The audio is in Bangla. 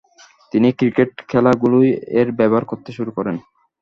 তিনি ক্রিকেট খেলাগুলোয় এর ব্যবহার করতে শুরু করেন।